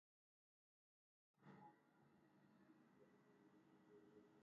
Three former leaders of the chapter pleaded no contest.